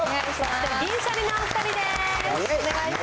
銀シャリのお２人です。